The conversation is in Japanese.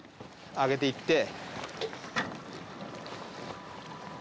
揚げていって。